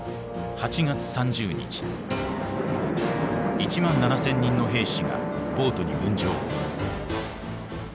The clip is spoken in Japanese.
１万７，０００人の兵士がボートに分乗。